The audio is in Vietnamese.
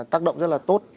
tác động rất là tốt